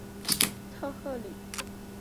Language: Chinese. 特赫里。